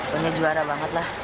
pokoknya juara banget lah